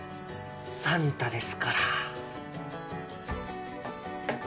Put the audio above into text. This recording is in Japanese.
サンタですから。